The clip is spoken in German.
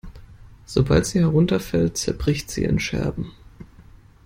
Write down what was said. Sobald sie herunterfällt, zerbricht sie in Scherben.